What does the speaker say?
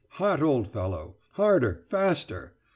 hot, old fellow! harder faster!